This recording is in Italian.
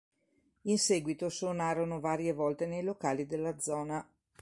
In seguito suonarono varie volte nei locali della zona.